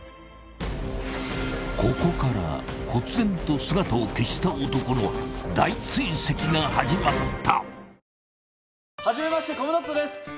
［ここからこつぜんと姿を消した男の大追跡が始まった！］